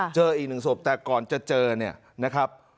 เจออีกหนึ่งศพแต่ก่อนจะเจอเนี่ยนะครับ